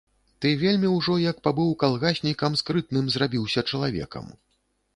Ты вельмі ўжо, як пабыў калгаснікам, скрытным зрабіўся чалавекам.